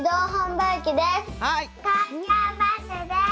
とうきょうバスです。